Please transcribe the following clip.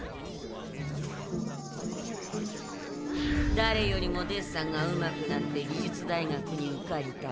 だれよりもデッサンがうまくなって美術大学に受かりたい。